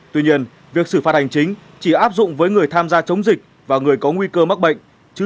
tuy nhiên việc xử phạt hành chính chỉ áp dụng với người tham gia chống dịch và người có nguy cơ mắc bệnh